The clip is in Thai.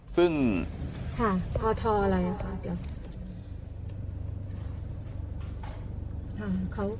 ซึ่งค่ะททอะไรค่ะเดี๋ยว